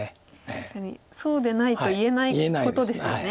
確かにそうでないと言えないことですよね。